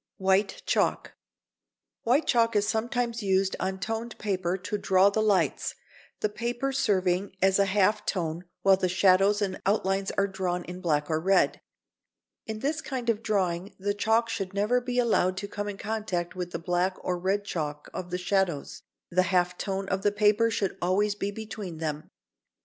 [Sidenote: White chalk.] White chalk is sometimes used on toned paper to draw the lights, the paper serving as a half tone while the shadows and outlines are drawn in black or red. In this kind of drawing the chalk should never be allowed to come in contact with the black or red chalk of the shadows, the half tone of the paper should always be between them.